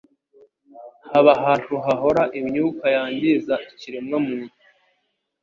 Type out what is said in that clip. haba ahantu hahora imyuka yangiza ikiremwamuntu,